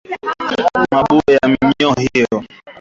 mabuu ya minyoo hiyo